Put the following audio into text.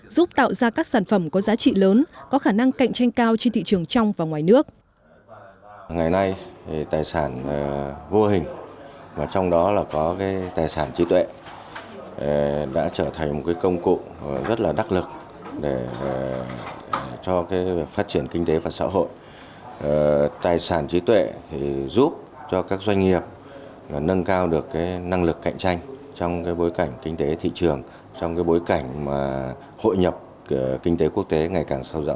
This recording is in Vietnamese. giúp tạo ra các sản phẩm có giá trị lớn có khả năng cạnh tranh cao trên thị trường trong và ngoài nước